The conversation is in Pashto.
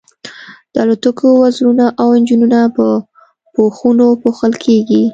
د الوتکې وزرونه او انجنونه په پوښونو پوښل کیږي